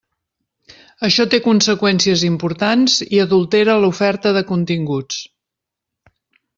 Això té conseqüències importants i adultera l'oferta de continguts.